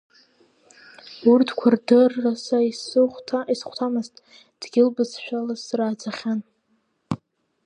Урҭқәа рдырра са исыхәҭамызт, дгьыл бызшәала срааӡахьан.